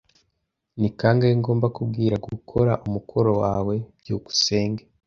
Ni kangahe ngomba kubwira gukora umukoro wawe? byukusenge